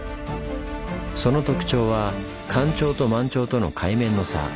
その特徴は干潮と満潮との海面の差。